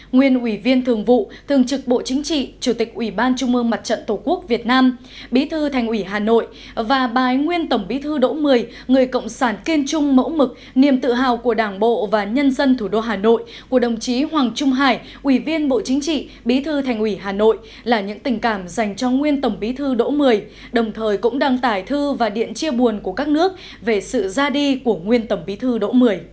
nguyên ủy viên thường vụ thường trực bộ chính trị chủ tịch ủy ban trung mương mặt trận tổ quốc việt nam bí thư thành ủy hà nội và bài nguyên tổng bí thư đỗ một mươi người cộng sản kiên trung mẫu mực niềm tự hào của đảng bộ và nhân dân thủ đô hà nội của đồng chí hoàng trung hải ủy viên bộ chính trị bí thư thành ủy hà nội là những tình cảm dành cho nguyên tổng bí thư đỗ một mươi đồng thời cũng đăng tải thư và điện chia buồn của các nước về sự ra đi của nguyên tổng bí thư đỗ một mươi